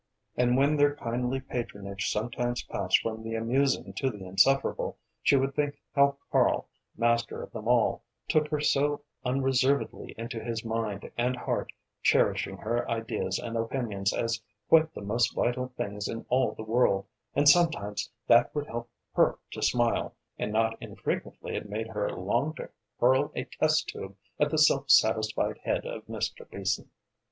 And when their kindly patronage sometimes passed from the amusing to the insufferable, she would think how Karl, master of them all, took her so unreservedly into his mind and heart, cherishing her ideas and opinions as quite the most vital things in all the world, and sometimes that would help her to smile, and not infrequently it made her long to hurl a test tube at the self satisfied head of Mr. Beason.